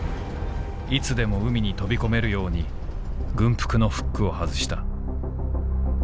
いつでも海に飛び込めるように軍服のフックを外した」。